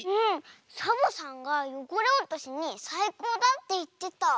サボさんがよごれおとしにさいこうだっていってた。